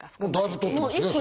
もうだいぶとってますね